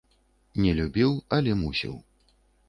Не любіў, але мусіў.